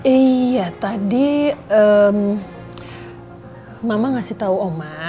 iya tadi mama ngasih tahu oma